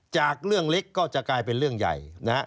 จากเรื่องเล็กก็จะกลายเป็นเรื่องใหญ่นะฮะ